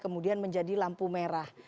kemudian menjadi lampu merah